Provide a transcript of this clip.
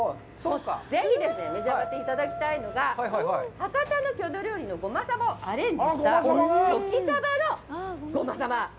ぜひですね、召し上がっていただきたいのが、博多の郷土料理の胡麻さばをアレンジした旬さばの胡麻さば。